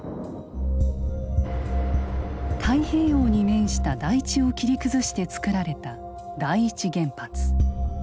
太平洋に面した台地を切り崩してつくられた第一原発。